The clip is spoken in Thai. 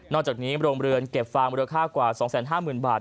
นอกจากนี้โรงบริเวณเก็บฟางบริเวณค่ากว่า๒๕๐๐๐๐บาท